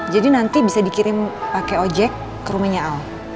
jadi nanti bisa dikirim pakai ojek ke rumahnya al